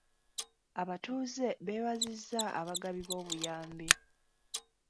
Abatuuze beebazizza abagabi b'obuyambi.